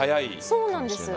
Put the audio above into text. そうなんです。